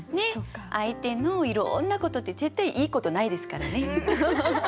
相手のいろんなことって絶対いいことないですからね。